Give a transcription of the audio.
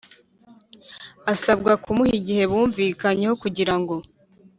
asabwa kumuha igihe bumvikanyeho kugira ngo